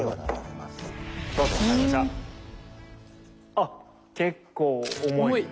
あっ結構重い。